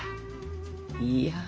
いや。